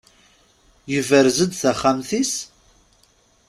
Yebrez-d taxxamt-is?